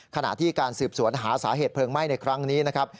ขณะที่การสืบสวนหาสาเหตุเพลิงไหม้ในครั้งนี้นะครับ